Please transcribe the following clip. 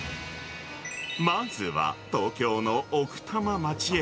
まずは、東京の奥多摩町へ。